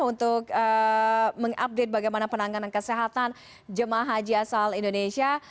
untuk mengupdate bagaimana penanganan kesehatan jemaah haji asal indonesia